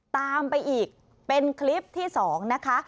ตามไปอีกเป็นคลิปที่๒นะคะ